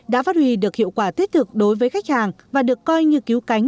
đã phát huy được hiệu quả thiết thực đối với khách hàng và được coi như cứu cánh